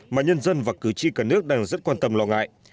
mà nhân dân và cử tri cả nước đang rất quan tâm lo ngại